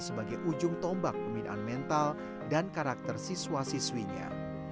sebagai ujung tombak pembinaan mental dan karakter siswa siswinya